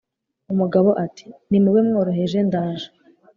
Umugabo Ati: "Nimube mworoheje ndaje